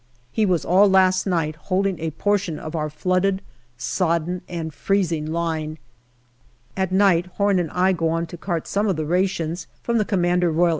He was all last night holding a portion of our flooded, sodden and freezing line. At night Home and I go on to cart some of the rations from the C.R.E.